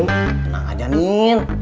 tenang aja nien